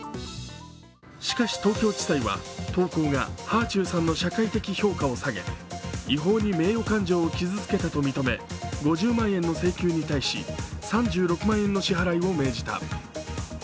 しかし東京地裁は、投稿がはあちゅうさんの社会的評価を下げ違法に名誉感情を傷つけたと認め５０万円の請求に対し、３６万円の支払いを命じた。